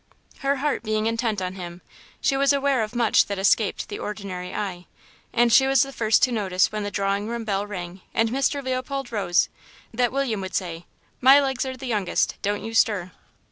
Her heart being intent on him, she was aware of much that escaped the ordinary eye, and she was the first to notice when the drawing room bell rang, and Mr. Leopold rose, that William would say, "My legs are the youngest, don't you stir."